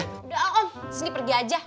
udah om sindi pergi aja